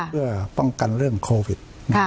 เพื่อป้องกันเรื่องโควิด